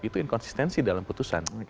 itu inkonsistensi dalam putusan